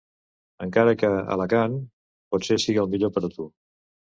Encara que, Alacant... potser siga el millor per a tu.